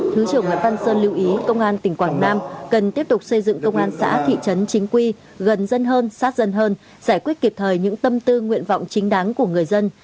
thứ trưởng nguyễn văn sơn lưu ý công an tỉnh quảng nam cần tiếp tục xây dựng công an xã thị trấn chính quy gần dân hơn sát dân hơn giải quyết kịp thời những tâm tư nguyện vọng chính đáng của người dân